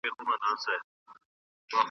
تن د بل پر ولات اوسي روح مي ګران افغانستان دی .